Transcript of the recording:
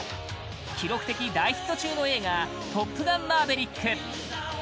記録的大ヒット中の映画「トップガンマーヴェリック」